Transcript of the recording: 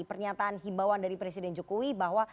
pernyataan himbauan dari presiden jokowi bahwa